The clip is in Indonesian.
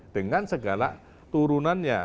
dengan segala turunannya